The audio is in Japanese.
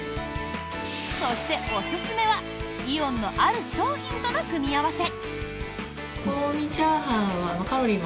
そして、おすすめはイオンの、ある商品との組み合わせ。